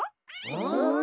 うん？